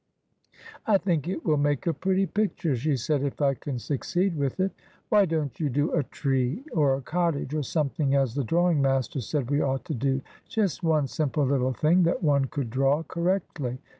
' I think it will make a pretty picture,' she said, ' if I can succeed with it.' ' Why don't you do a tree, or a cottage, or something, as the drawing master said we ought to do — just one simple little thing that one could draw correctly?'